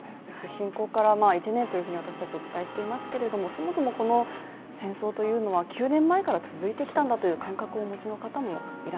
侵攻から１年というふうに私たちお伝えしていますけれどもそもそもこの戦争というのは９年前から続いてきたんだという感覚をお持ちの方もいる。